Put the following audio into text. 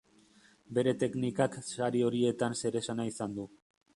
Bere teknikak sari horietan zeresana izan du.